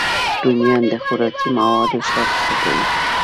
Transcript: رومیان د خوراکي موادو شوق زیاتوي